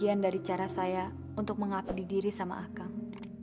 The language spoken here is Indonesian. bagian dari cara saya untuk mengabdi diri sama akang